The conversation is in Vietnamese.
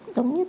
giống như thầm